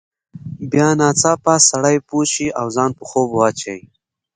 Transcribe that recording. بیا ناڅاپه سړی پوه شي او ځان په خوب واچوي.